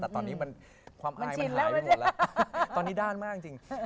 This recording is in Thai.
แต่ตอนนี้ความอายมันหายไปหมดแล้วตอนนี้ด้านมากจริง